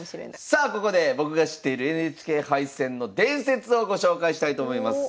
さあここで僕が知っているＮＨＫ杯戦の伝説をご紹介したいと思います。